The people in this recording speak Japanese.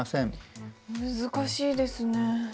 難しいですね。